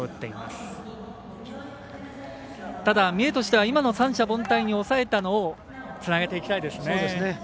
ただ、三重としては今の三者凡退に抑えたのをつなげていきたいですね。